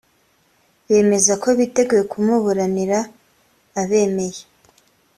bemeza ko biteguye kumuburanira abemeye